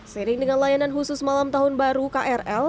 sering dengan layanan khusus malam tahun baru krl